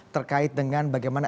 terkait dengan bagaimana